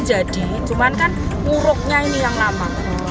jadi cuman kan nguruknya ini yang lama